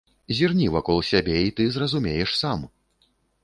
Зірні вакол сябе, і ты зразумееш сам!